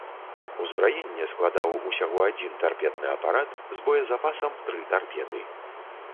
Узбраенне складаў усяго адзін тарпедны апарат з боезапасам тры тарпеды.